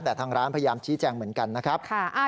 แต่ทางร้านพยายามชี้แจงเหมือนกันนะครับ